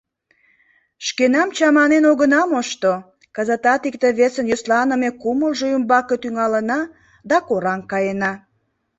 Шкенам чаманен огына мошто, кызытат икте-весын йӧсланыме кумылжо ӱмбаке тӱҥалына да кораҥ каена.